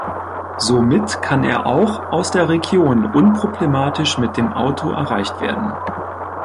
Somit kann er auch aus der Region unproblematisch mit dem Auto erreicht werden.